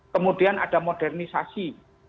kemudian ada modernisasi